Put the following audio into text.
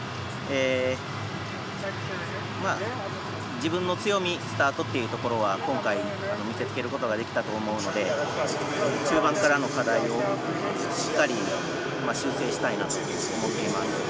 自分の強みスタートというところは今回見せつけることができたと思うので中盤からの課題をしっかり修正したいなと思っています。